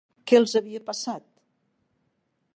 Què els havia passat?